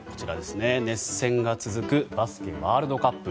熱戦が続くバスケットワールドカップ。